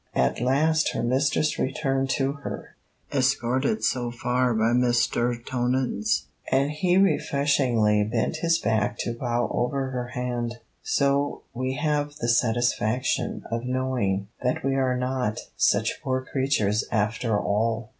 At last her mistress returned to her, escorted so far by Mr. Tonans, and he refreshingly bent his back to bow over her hand: so we have the satisfaction of knowing that we are not such poor creatures after all!